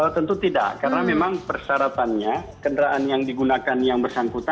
tentu tidak karena memang persyaratannya kendaraan yang digunakan yang bersangkutan